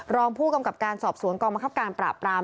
รองผู้กำกับการสอบสวนกองบังคับการปราบปราม